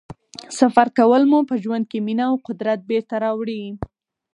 سفر کول مو په ژوند کې مینه او قدرت بېرته راوړي.